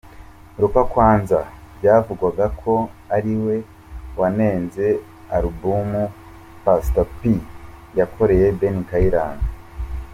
Lokua Kanza byavugwaga ko ari we wanenze alubumu Pastor P yakoreye Ben Kayiranga .